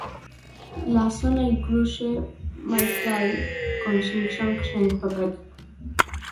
La zona incluye Mayfair, Kensington y Regent's Park.